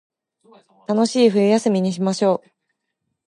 楽しい冬休みにしましょう